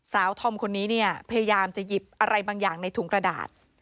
ธอมคนนี้เนี่ยพยายามจะหยิบอะไรบางอย่างในถุงกระดาษ